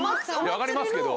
分かりますけど。